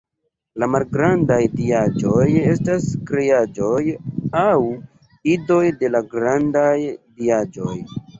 La malgrandaj diaĵoj estas kreaĵoj aŭ idoj de la grandaj diaĵoj.